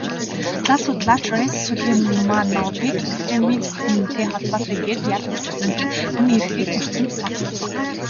Лал судлаач Райс Сулеймановыг экстремизмтэй холбоотой гээд ял өгчихсөн чинь хүний эрхийг зөрчсөнд тооцогдсон.